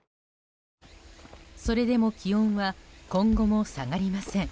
それでも気温は今後も下がりません。